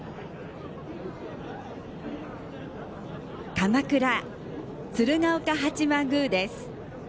鎌倉・鶴岡八幡宮です。